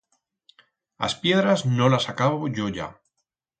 As piedras no las acabo yo ya.